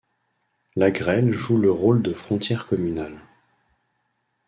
La Greyle joue le rôle de frontière communale.